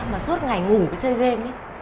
mà suốt ngày ngủ để chơi game